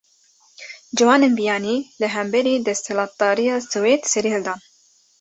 Ciwanên biyanî, li hemberî desthilatdariya Swêd serî hildan